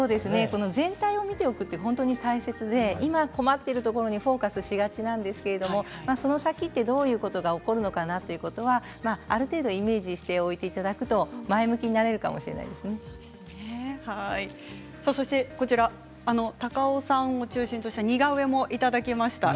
全体を見ておくって本当に大切で今困っているところにフォーカスしがちなんですけどその先でどういうことが起こるのかなということはある程度イメージしておいていただくと前向きになれるかも高尾さんを中心とした似顔絵もいただきました。